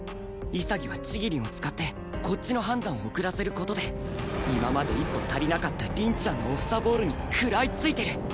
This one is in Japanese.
潔はちぎりんを使ってこっちの判断を遅らせる事で今まで一歩足りなかった凛ちゃんのオフ・ザ・ボールに食らいついてる